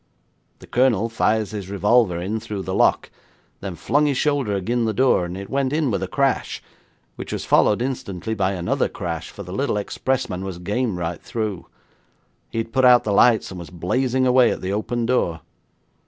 The Colonel fires his revolver in through the lock, then flung his shoulder agin the door, and it went in with a crash, which was followed instantly by another crash, for the little expressman was game right through. He had put out the lights and was blazing away at the open door.